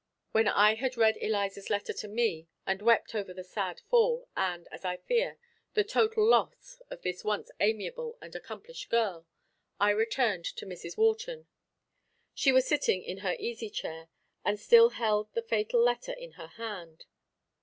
When I had read Eliza's letter to me, and wept over the sad fall, and, as I fear, the total loss of this once amiable and accomplished girl, I returned to Mrs. Wharton. She was sitting in her easy chair, and still held the fatal letter in her hand.